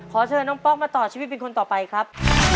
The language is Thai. เชิญน้องป๊อกมาต่อชีวิตเป็นคนต่อไปครับ